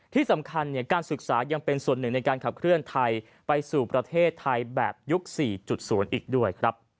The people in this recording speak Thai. ที่สำคัญการศึกษายังเป็นส่วนหนึ่งในการขับเคลื่อนไทยไปสู่ประเทศไทยแบบยุค๔๐อีกด้วยครับ